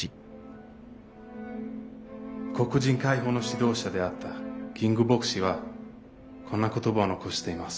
黒人解放の指導者であったキング牧師はこんな言葉を残しています。